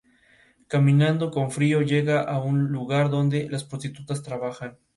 Caminando con frío, llega a un lugar donde las prostitutas trabajan.